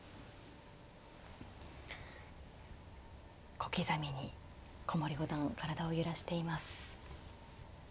小刻みに古森五段体を揺らしています。